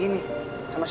aku mau ke tempat ini